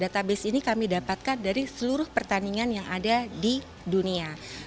database ini kami dapatkan dari seluruh pertandingan yang ada di dunia